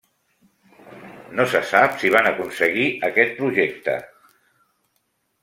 No se sap si van aconseguir aquest projecte.